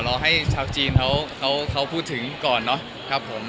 รอให้ชาวจีนเขาพูดถึงก่อนเนาะครับผม